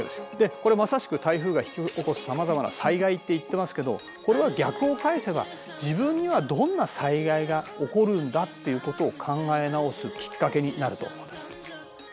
これまさしく台風が引き起こすさまざまな災害って言ってますけどこれは逆を返せば自分にはどんな災害が起こるんだっていうことを考え直すきっかけになると思うんです。